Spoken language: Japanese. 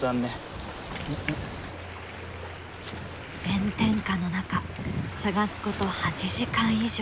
炎天下の中探すこと８時間以上。